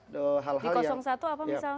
di satu apa misalnya